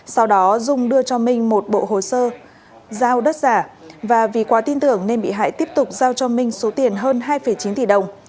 sau đó dung đưa cho minh một bộ hồ sơ giao đất giả và vì quá tin tưởng nên bị hại tiếp tục giao cho minh số tiền hơn hai chín tỷ đồng